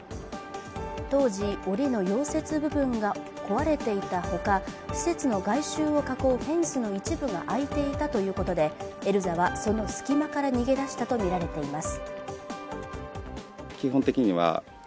当時、おりの溶接部分が壊れていたほか、施設の外周を囲うフェンスの一部が開いていたということでエルザはその隙間から逃げ出したとみられています。